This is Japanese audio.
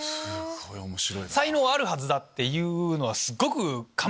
才能あるはずだ！っていうのはすごく。